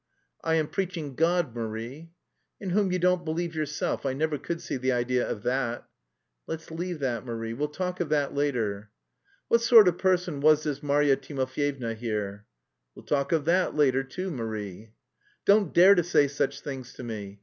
"I am preaching God, Marie." "In whom you don't believe yourself. I never could see the idea of that." "Let's leave that, Marie; we'll talk of that later." "What sort of person was this Marya Timofyevna here?" "We'll talk of that later too, Marie." "Don't dare to say such things to me!